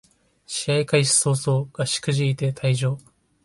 試合開始そうそう足くじいて退場